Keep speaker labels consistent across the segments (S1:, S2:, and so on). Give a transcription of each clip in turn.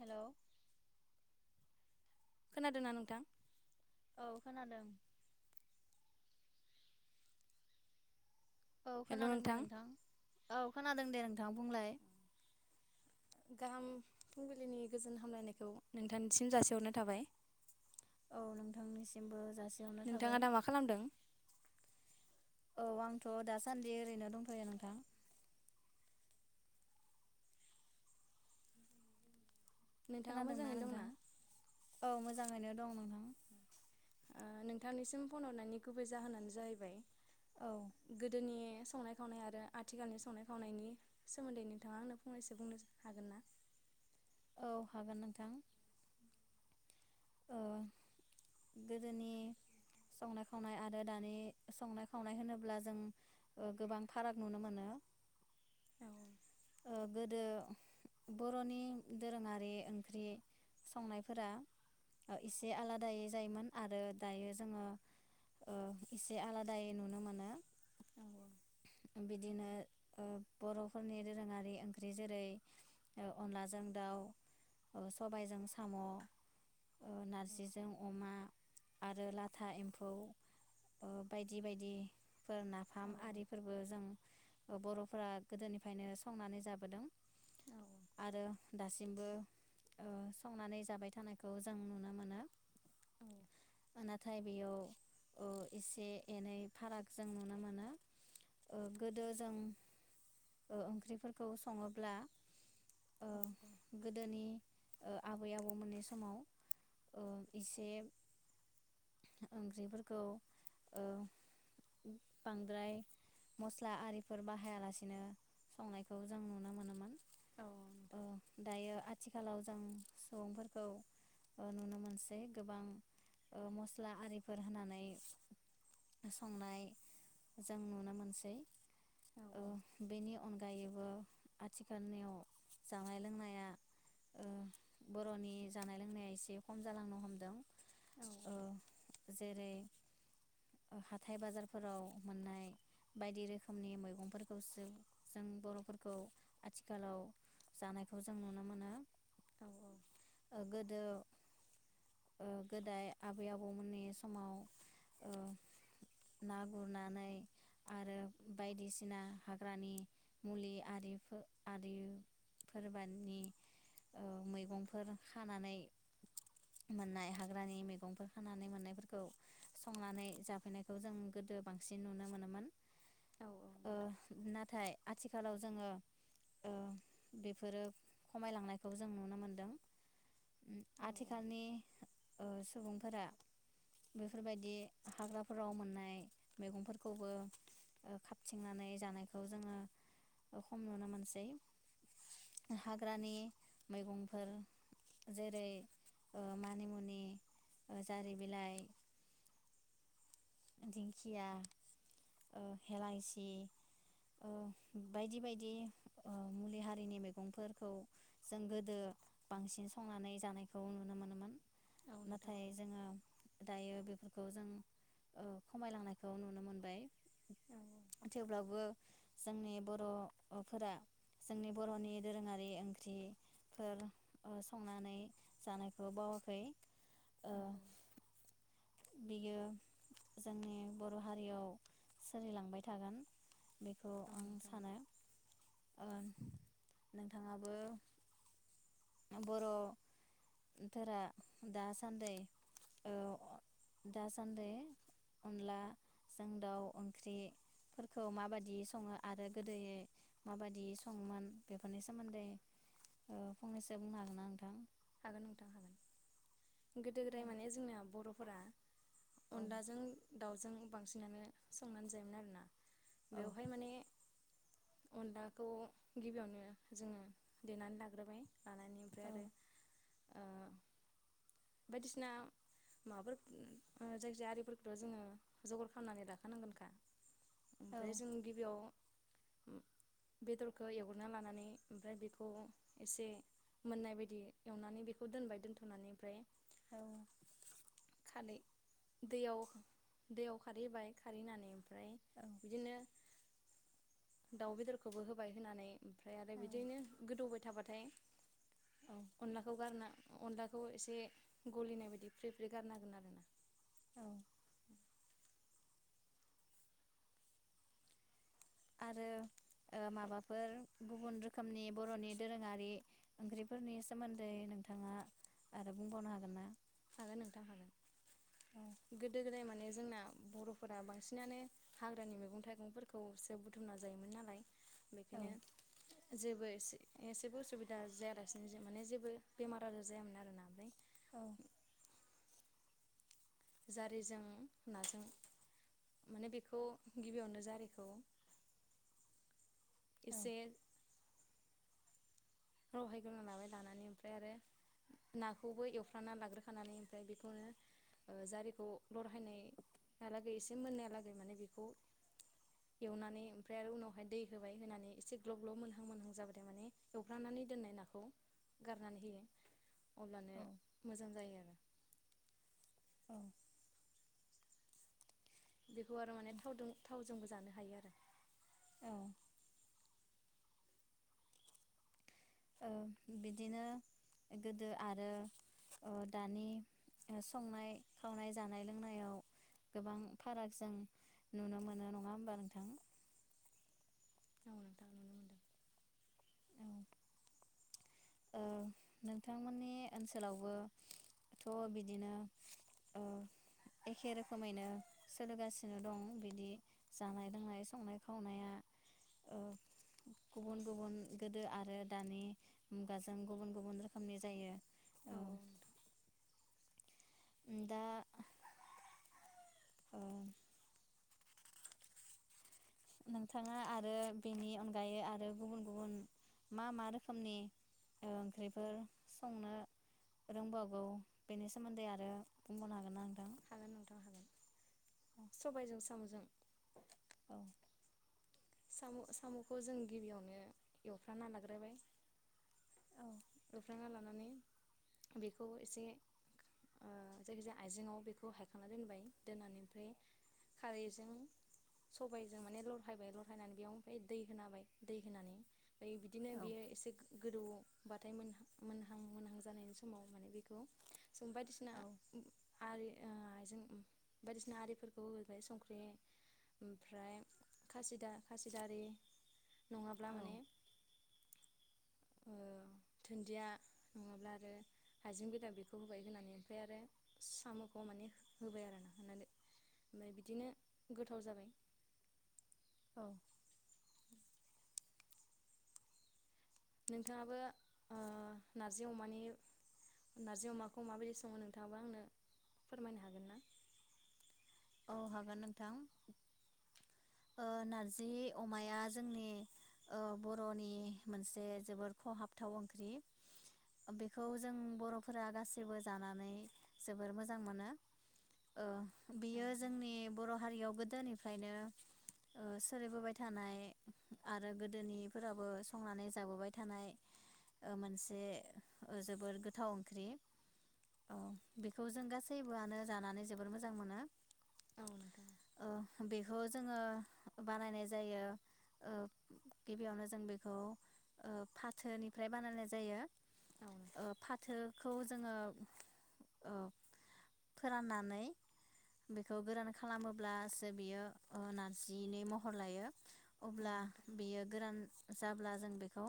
S1: Hello
S2: खोनादोंना नोंथां?
S1: औ खोनादों। औ खोनादों दे नोंथां औ खोनादों दे नोंथां बुंलाय।
S2: गाहाम फुंबिलिनि गोजोन हामलायनायखौ नोंथांसिम जासिहरनाय थाबाय।
S1: औ नोंथांनिसिमबो जासि
S2: नोंथाङा दा मा खालामदों?
S1: औ आंथ दासान्दि ओरैनो दंथयो नोंथां।
S2: नोंथाङा
S1: खोनादोंना
S2: मोजाङैनो
S1: नोंथां
S2: दंना
S1: औ मोज मोजाङैनो दं नामा?
S2: नोंथांनिसिम फन हरनायनि गुबै जाहोनानो जाहैबाय
S1: औ
S2: गोदोनि संनाय खावनाय आरो आथिखालनि संनाय खावनायनि सोमोन्दै नोंथाङा आंनो फंनैसो बुंनो हागोन ना?
S1: औ हागोन नोंथां। ओ गोदोनि संनाय खावनाय आरो दानि संनाय खावनाय होनोब्ला जों ओ गोबां फाराग नुनो मोनो।
S2: औ
S1: ओ गोदो बर'नि दोरोङारि ओंख्रि संनायफोरा ओ एसे आलादायै जायोमोन आरो दायो जोङो ओ एसे आलादायै नुनो मोनो।
S2: औ
S1: बिदिनो ओ बर फोरनि रो दोरोङारि ओंख्रि जेरै ओ अनलाजों दाउ ओ सबायजों साम नारजिजों अमा आरो लाथा एम्फौ बायदि बायदि फोर
S2: औ
S1: नाफाम आरिफोरबो जों बर'फोरा गोदोनिफ्रायनो संनानै जाबोदों
S2: औ
S1: आरो दासिमबो ओ संनानै जाबाय थानायखौ जों नुनो मोनो।
S2: उम
S1: नाथाय बेयाव ओ एसे एनै फाराग जों नुनो मोन ओ गोदो जों ओ ओंख्रि फोरखौ सङोब्ला ओ गोदोनि ओ आबै आबौ मोननि समाव ओ इसे ओंख्रिफोरखौ ओ बांद्राय मस्ला आरिफोर बाहायालासेनो संनाय खौ जों नुनो मोनोमोन। अ
S2: नोंथां
S1: दायो आथिखालाव जों सुबुंफोरखौ ओ नुनो मोनसै गोबां ओ मस्ला आरिफोर होनानै संनाय जों नुनो मोनसै
S2: औ औ
S1: ओ बेनि अनगायै बो आथिखालनियाव जानाय लोंनाया ओ बर'नि जानाय लोंनाया एसे खम जालांनो हमदों। औ। जेरै हाथाइ बाजारफोराव मोननाय बायदि रोखोमनि मैगंफोरखौसो जों बर फोरखौ आथिखालाव जानायखौ जों नुनो मोनो।
S2: औ
S1: [inaudible] ओ ओ गोदाय आबै आबौमोननि समाव ओ ना गुरनानै आरो बायदिसिना हाग्रानि मुलि आरिफो आरिफोरबादनि मैगंफोर खानानै मोननाय हाग्रानि मैगंफोर खानानै मोननायफोरखौ संनानै जाफैनायखौ जों गोदो बांसिन नुनो मोनोमोन।
S2: औ
S1: ओ नाथाय आथिखालाव जोङो ओ बेफोरो खमायलांनायखौ जों नुनो मोनदों। उम आथिखालनि ओ सुबुंफोरा बेफोरबायदि हाग्राफोराव मोननाय मैगंफोरखौबो ओ खाबथिंनानै जानायखौ जोङो खम नुनो मोनसै हाग्रानि मैगंफोर जेरै ओ मानिमुनि जारि बिलाइ दिंखिया ओ हेलाइसि बायदि बायदि ओ मुलि हारिनि मैगंफोरखौ जों गोदो बांसिन संनानै जानायखौ नुनो मोनोमोन।
S2: औ
S1: नाथाय
S2: नोंथां
S1: जोङो दायो बेफोरखौ जों ओ खमायलांनायखौ नुनो मोनबाय।
S2: औ
S1: थेवब्लाबो जोंनि बर'फोरा जोंनि बर'नि दोरोङारि ओंख्रिफोर ओ संनानै जानायखौ बावाखै।
S2: औ नोंथां औ
S1: बेयो जोंनि बर हारियाव सोलिलांबाय थागोन। बेखौ
S2: औ
S1: आं
S2: नोंथां औ
S1: सानो। ओ नोंथाङाबो बर'फोरा दासान्दि ओ दासान्दि अनलाजों दाउ ओंख्रिफोरखौ माबादि सङो आरो गोदोयै माबायदि सङोमोन बेफोरनि सोमोन्दै ओ फंनैसो बुंनो हागोनना नोंथां?
S2: हागोन नोंथां हागोन। गोदो
S1: औ
S2: गोदाय माने जोंना बर
S1: औ
S2: अनलाजों दाउजों बांसिनानो संनानै जायोमोन आरोना
S1: औ
S2: बेवहाय माने अनलाखौ गिबियावनो जोङो देनानै लाग्रोबाय। लानानै ओमफ्राय आरो ओ बायदिसिना माबाफोर ओ जायखिजाया आरिफोरखौथ जोङो जगार खालामनानै लााखानांगोनखा।
S1: औ
S2: ओमफ्राय जों गिबियाव बेदरखौ एवग्रोना लानानै ओमफ्राय बेखौ एसे मोननाय बायदि एवनानै बेखौ दोनबाय दोन्थनानै ओमफ्राय
S1: औ।
S2: खारै दैयाव दैयाव खारै हैबाय खारै होनानै ओमफ्राय बिदिनो दाउ बेदरखौबो होबाय होनानै। ओमफ्राय आरो बिदिनो गोदौबाय थाबा [unintelligible]
S1: औ
S2: अनलाखौ गारना अनलाखौ एसे गलिनाय बायदि फ्रि फ्रि गारना होगोन आरोना।
S1: औ आरो ओ माबाफोर गुबुन रोखोमनि बर'नि दोरोङारि ओंख्रिफोरनि सोमोन्दै नोंथाङा आरो बुंबावनो हागोनना?
S2: हागोन नोंथां हागोन गोदो गोदाय माने जोंना बर'फोरा बांसिनानो हाग्रानि मैगं थाइगंफोरखौसो बुथुमना जायोमोन नालाय।
S1: औ
S2: बेखायनो जेबो एसे एसेबो उसुबिदा जायालासिनो माने जेबो बेमार आजार जायामोन आरोना ओमफ्राय
S1: औ
S2: जारिजों नाजों माने बेखौ गिबियावनो जारिखौ एसे लहायग्रोना लाबाय लानानै ओमफ्राय आरो नाखौबो एवफ्राना लाग्रोखानानै ओमफ्राय बेखौनो ओ जारिखौ लरहायनायहालागै एसे मोननायलागै माने बेखौ एवनानै ओमफ्राय आरो उनावहाय दै होबाय होनानै एसे ग्लब ग्लब मोनहां मोनहां जाबायथाय माने फ्रामनानै दोननाय नाखौ गारनानै होयो। अब्लानो मोजां जायो आरो
S1: औ
S2: बेखौ आरो माने थावजों थावजोंबो जानो हायो आरो
S1: औ ओ बिदिनो गोदो आरो ओ दानि संनाय खावनाय जानाय लोंनायाव गोबां फाराग जों नुनो मोनो नङा होमबा नोंथां?
S2: औ नोंथां नुनो मोनदों।
S1: औ नोंथांमोननि ओनसोलावबोथ बिदिनो एखे रोखोमैनो सोलिगासिनो दं बिदि जानाय लोंनाय संनाय खावनाया औ गुबुन
S2: औ
S1: गुबुन गोदो आरो आरो दानि मुगाजों गुबुन गुबुन रोखोमनि जायो।
S2: औ नोंथां
S1: दा ओ नोंथांङा आरो बेनि अनगायै आरो गुबुन गुबुन मा मा रोखोमनि ओ ओंख्रिफोर संनो रोंबावगौ बेनि सोमोन्दै आरो बुंबावनो हागोनना नोंथां।
S2: हागोन नोंथां हागोन सबायजों सामजों
S1: औ।
S2: साम सामखौ जों गिबियावनो एवफ्राना लाग्रोबाय। [inaudible] फ्रामना लानानै बेखौ एसे ओ जायखिजाया आइजेंआव बेखौ हायखांना दोनबाय दोननानै ओमफ्राय खारैजों सबायजों माने लरहायबाय ल नानै बेयाव ओमफ्राय दै होनाबाय दै होनानै फाय बिदिनो
S1: औ
S2: बेयो एसे गोदौबाथाय मोनहां मोनहां मोनहां जानायनि समाव माने बेखौ जों बायदिसिना
S1: औ
S2: उम्म आरि ओ आइ जों बायदिसिना आरिफोरखौ होबाय संख्रि ओमफ्राय खासिदा खासि दारि नङाब्ला माने ओ दुन्दिया नङाब्ला आरो हाइजें बेदर बेखौ होबाय होनानै ओमफ्राय आरो सामखौ माने होबाय आरो ना होनानै ओमफ्राय बिदिनो गोथाव जाबाय
S1: [inaudible]
S2: नोंथाङाबो नारजि अमानि नारजि अमाखौ माबायदि सङो नोंथाङाबो आंनो फोरमायनो हागोन ना
S1: औ हागोन नोंथां ओ नारजि अमाया जोंनि ओ बर'नि मोनसे जोबोर खहाबथाव ओंख्रि बेखौ जों बरफोरा गासैबो जानानै जोबोर मोजां मोनो ओ
S2: औ
S1: बियो जोंनि बर हारियाव गोदोनिफ्रायनो सोलिबोबाय थानाय आरो गोदोनिफोराबो संनानै जाबोबाय थानाय मोनसे जोबोर गोथाव ओंख्रि बेखौ जों गासैबोआनो जानानै जोबोर मोजां मोनो
S2: औ औ नोंथां
S1: अ बे बेखौ जोङो बानायनाय जायो ओ गिबियावनो जों बेखौ ओ फाथोनिफ्राय बानायनाय जायो।
S2: औ
S1: ओ
S2: नोंथां
S1: फाथोखौ जोङो ओ फोराननानै बेखौ गोरान खालामोब्लासो बियो नारजिनि महर लायो
S2: औ
S1: अब्ला
S2: नोंथां
S1: बियो गोरान जाब्ला जों बेखौ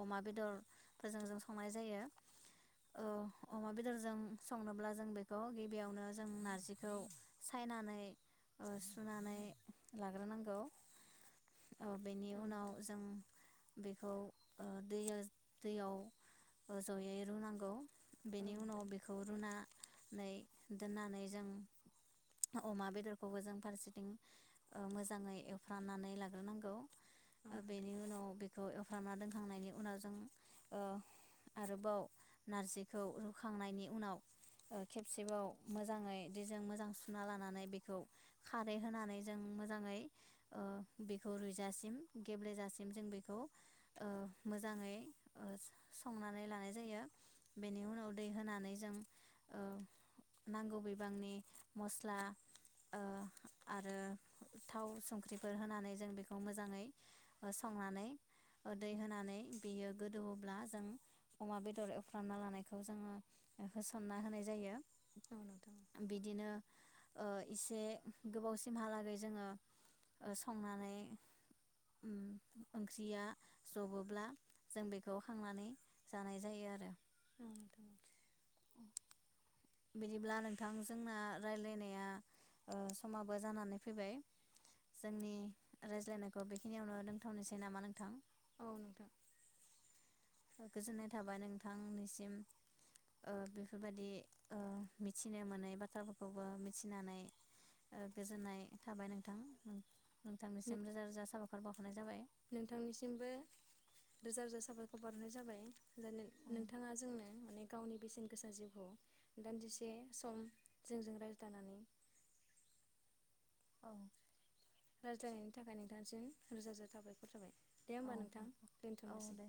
S1: अमा बेदरफोरजों जों संनाय जायो अमा बेदरजों संनोब्ला जों बेखौ गिबियावनो जों नारजिखौ सायनानै ओ सुनानै लाग्रोनांगौ। हेलौ ओ बेनि
S2: औ
S1: उनाव
S2: नोंथां
S1: जों बे बे खौ ओ दै दैयाव जयै रुनांगौ
S2: औ नोंथां औ
S1: बेनि उनाव
S2: नोंथां
S1: बेखौ रुना नै दोननानै जों अमा बेदरखौबो जों फारसेथिं ओ मोजाङै एवफ्रामनानै लाग्रोनांगौ
S2: औ नोंथां
S1: बेनि उनाव बेखौ एवफ्रामना दोनखांनायनि उनाव जों ओ आरोबाव नारजिखौ रुखांनायनि उनाव खेबसेबाव ओ मोजाङै दिजों मोजां सुना लानानै बेखौ खारै होनानै जों मोजाङै ओ बेखौ रुइजासिम गेब्लेजासिम जों बेखौ ओ मोजाङै ओ संनानै लानाय जायो बेनि उनाव दै होनानै जों ओ नांगौ बिबांनि मस्ला ओ आरो थाव संख्रिफोर होनानै जों बेखौ मोजाङै संनानै दै होनानै बेयो गोदौब्ला जों अमा बेदर एवफ्रामना लानायखौ जोङो होसनना होनाय जायो
S2: औ नोंथां
S1: बिदिनो ओ एसे गोबावसिमहालागै जोङो ओ संनानै ओंख्रिया जबोब्ला जों बेखौ खांनानै जानाय जायो आरो बिदिब्ला नोंथां जोंना रायज्लायनाया ओ समाबो जानानै फैबाय जोंनि रायज्लायनायखौ बेखिनियावनो दोंथावनोसै नामा नोंथां
S2: औ नोंथां
S1: गोजोननाय थाबाय नोंथांनिसिम ओ बेफोरबायदि ओ मिथिनो मोनै बाथ्राफोरखौबो मिथिनानै गोजोननाय थाबाय नोंथां। नोंथांसिम रोजा-रोजा साबायखर बाव हरनाय जाबाय
S2: नोंथांनिसिमबो रोजा रोजा साबायखर बावहरनाय जाबाय [unintelligible]
S1: औ
S2: नोंथाङा जोंनो अनेक गावनि बेसेन गोसा जिउखौ दान्दिसे सम जोंजों रायज्लानानै
S1: औ
S2: रायज्लायनायनि थाखाय नोंथांसिम रोजा रोजा साबायखर थाबाय दे
S1: औ
S2: होमबा नोंथां
S1: औ
S2: दोनथनोसै।
S1: दे